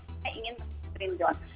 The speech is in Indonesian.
saya ingin mempersembahkan john